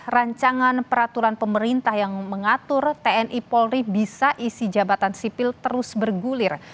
rancangan peraturan pemerintah yang mengatur tni polri bisa isi jabatan sipil terus bergulir